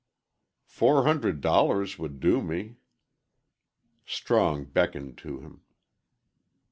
"Four hundred dollars would do me." Strong beckoned to him.